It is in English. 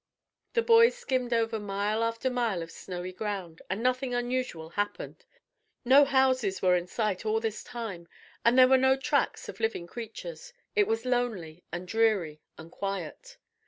The boys skimmed over mile after mile of snowy ground, and nothing unusual happened. No houses were in sight all this time, and there were no tracks of living creatures. It was lonely, and dreary, and quiet.